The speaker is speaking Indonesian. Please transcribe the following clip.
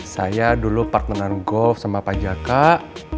saya dulu partner golf sama pajakak